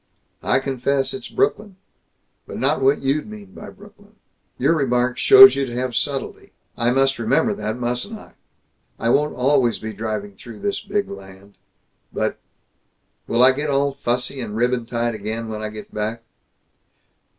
"I confess it's Brooklyn but not what you'd mean by Brooklyn. Your remark shows you to have subtlety. I must remember that, mustn't I! I won't always be driving through this big land. But Will I get all fussy and ribbon tied again, when I go back?"